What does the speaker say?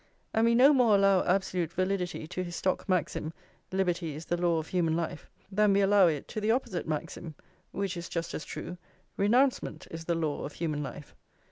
And we no more allow absolute validity to his stock maxim, Liberty is the law of human life, than we allow it to the opposite maxim, which is just as true, Renouncement is the law of human life.